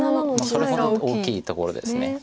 それほど大きいところです。